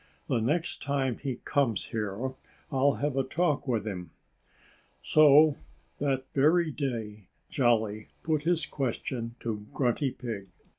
The next time he comes here I'll have a talk with him." So that very day Jolly put his question to Grunty Pig.